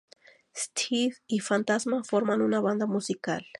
Steve y Fantasma forman una banda musical.